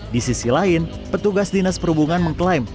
di sisi lain petugas dinas perhubungan mengklaim